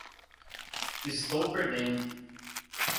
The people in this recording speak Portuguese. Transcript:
Estou perdendo.